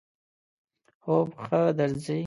خوب ښه درځی؟